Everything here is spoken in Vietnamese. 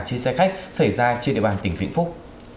trên xe khách xảy ra trên địa bàn tỉnh vĩnh phúc